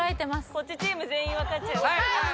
こっちチーム全員分かっちゃいましたはい！